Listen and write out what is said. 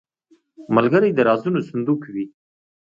ملګری د رازونو صندوق وي